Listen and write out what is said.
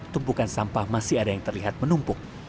tumpukan sampah masih ada yang terlihat menumpuk